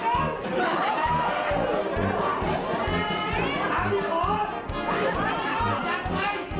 จัดไว้